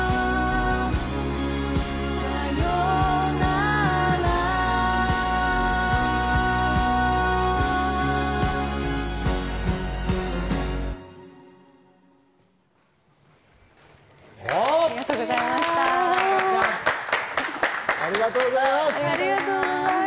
ありがとうございます。